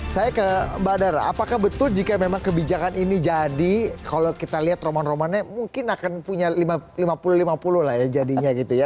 saya ke mbak dar apakah betul jika memang kebijakan ini jadi kalau kita lihat roman romannya mungkin akan punya lima puluh lima puluh lah ya jadinya gitu ya